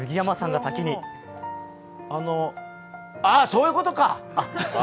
あのああ、そういうことか！